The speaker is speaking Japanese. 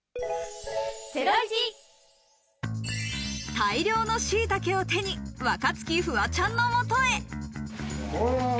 大量のしいたけを手に、若槻、フワちゃんの元へ。